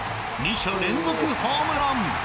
２者連続ホームラン！